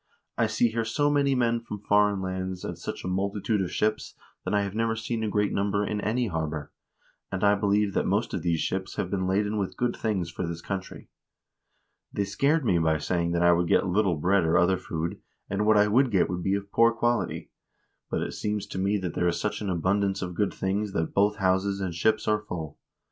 I see here so many men from foreign lands and such a multitude of ships that I have never seen a greater number in any harbor ; and I believe that most of these ships have been laden with good things for this country. They scared me by saying that I would get little bread or other food, and what I would get would be of poor quality ; but it seems to me that there is such an abundance of good things that both houses and ships are full.